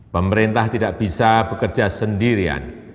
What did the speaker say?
pemerintah tidak bisa bekerja sendirian